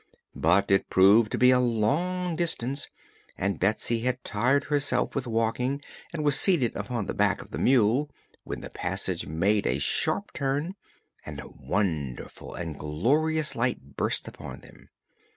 But it proved to be a long distance and Betsy had tired herself with walking and was seated upon the back of the mule when the passage made a sharp turn and a wonderful and glorious light burst upon them.